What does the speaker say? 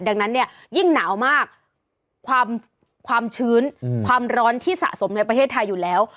ดังนั้นเนี่ยยิ่งหนาวมากความความชื้นความร้อนที่สะสมในประเทศไทยอยู่แล้ว